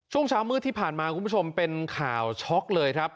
ช่วงเช้ามืดที่ผ่านมาคุณผู้ชมเป็นข่าวช็อกเลยครับ